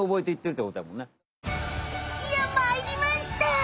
いやまいりました。